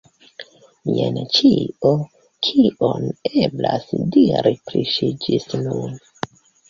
Jen ĉio, kion eblas diri pri ŝi ĝis nun.